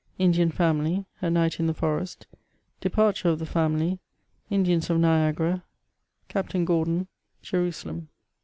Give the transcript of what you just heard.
INDIAN FAMILY — A NIGHT IN THE FOBE8T — ^DEPABTURB OF THE FAHILT — INDIANS OF NIAGARA— CAPTAIN GORDON — ^JERUSALEM.